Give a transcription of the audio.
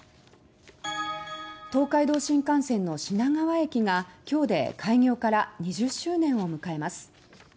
東海道新幹線の品川駅が今日で開業から２０周年を迎えます。